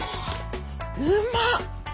うまっ！